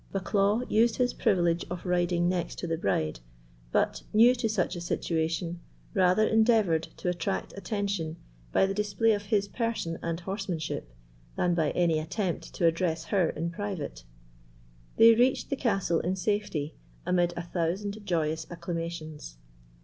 Bucklaw used his privilege of riding next to the bride, but, new to such a situation, rather endeavoured to attract attention by the display of his person and horsemanship, than by any attempt to address her in private. They reached the castle in safety, amid a thousand joyous acclamations.